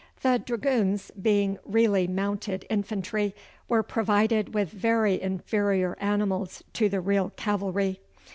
The dragoons, being really mounted infantry, were provided with very inferior animals to the real cavalry.